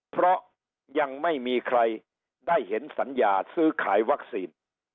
เพราะยังไม่มีใครได้เห็นสัญญาซื้อขายวัคซีน